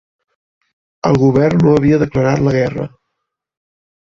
El Govern no havia declarat la guerra